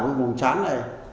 cái vùng trán này